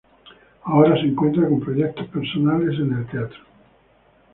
Ahora se encuentra con proyectos personales en el teatro.